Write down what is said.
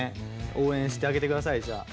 応援してあげて下さいじゃあ。